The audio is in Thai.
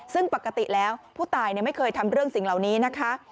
ซึ่งปกติแล้วผู้ตายไม่เคยทำเรื่องสิ่งเหล่านี้นะคะ